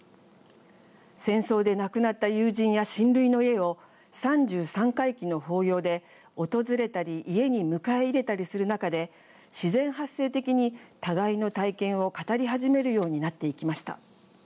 戦争で亡くなった友人や親類の家を三十三回忌の法要で訪れたり家に迎え入れたりする中で自然発生的に互いの体験を語り始めるようになっていきました。